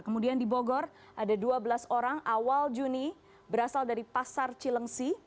kemudian di bogor ada dua belas orang awal juni berasal dari pasar cilengsi